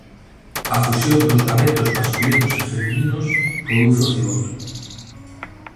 A fusión dos gametos masculinos e femininos produce o cigoto.